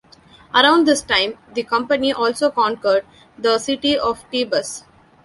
Around this time, the Company also conquered the city of Thebes.